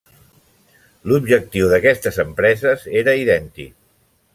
L'objectiu d'aquestes empreses era idèntic.